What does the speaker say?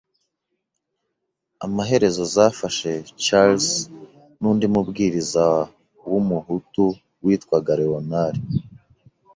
Amaherezo zafashe Charles n undi mubwiriza w Umuhutu witwaga Leonard